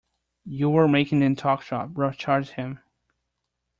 You were making them talk shop, Ruth charged him.